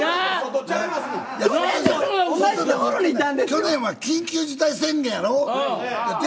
去年は緊急事態宣言やろ。